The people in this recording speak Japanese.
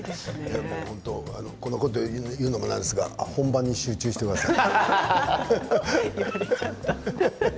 こんなこと言うのもなんですが本番に集中してください。